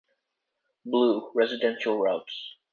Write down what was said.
Blue: Residential Routes.